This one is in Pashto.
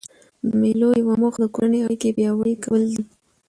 د مېلو یوه موخه د کورنۍ اړیکي پیاوړي کول دي.